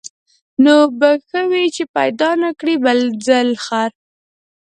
نو به ښه وي چي پیدا نه کړې بل ځل خر